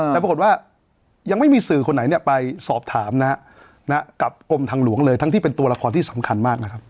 แต่ปรากฏว่ายังไม่มีสื่อคนไหนเนี่ยไปสอบถามนะฮะกับกรมทางหลวงเลยทั้งที่เป็นตัวละครที่สำคัญมากนะครับ